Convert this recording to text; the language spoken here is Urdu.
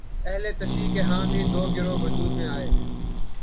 اہل تشیع کے ہاں بھی دو گروہ وجود میں آئے